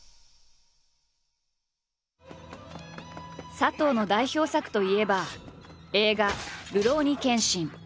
佐藤の代表作といえば映画「るろうに剣心」。